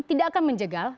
tidak akan menjegal